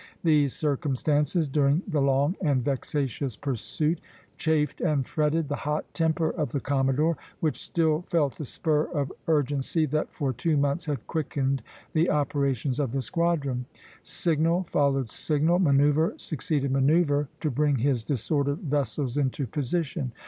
These circumstances, during the long and vexatious pursuit, chafed and fretted the hot temper of the commodore, which still felt the spur of urgency that for two months had quickened the operations of the squadron. Signal followed signal, manoeuvre succeeded manoeuvre, to bring his disordered vessels into position.